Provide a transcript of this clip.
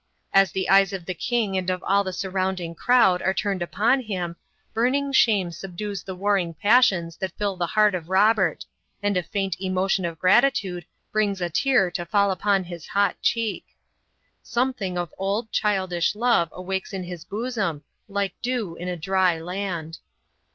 As the eyes of the king and of all the surrounding crowd are turned on him, burning shame subdues the warring passions that fill the heart of Robert, and a faint emotion of gratitude brings a tear to fall upon his hot cheek. Something of old, childish love awakes in his bosom, like dew in a dry land.